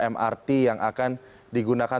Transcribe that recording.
mrt yang akan digunakan